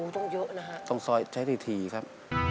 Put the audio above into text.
ต้องเยอะนะฮะต้องซอยใช้ถี่ครับ